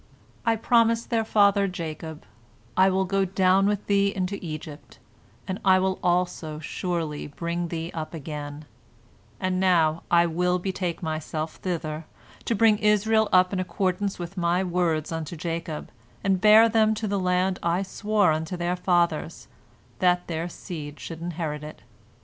I promised their father Jacob, 'I will go down with thee into Egypt, and I will also surely bring thee up again,' and now I will betake myself thither, to bring Israel up in accordance with My words unto Jacob, and bear them to the land I swore unto their fathers, that their seed should inherit it.